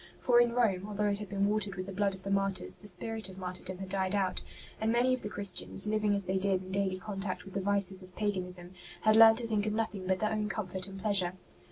For in Rome, although it had been watered with the blood of the martyrs, the spirit of martyrdom had died out; and many of the Christians, living as they did in daily con tact with the vices of paganism, had learnt to think of nothing but their own comfort and pleasure.